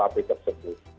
terkait dengan rukuhp tersebut